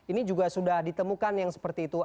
ini juga sudah ditemukan yang seperti itu